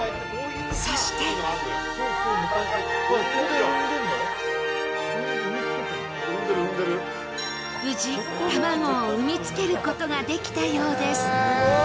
そして無事、卵を産み付けることができたようです。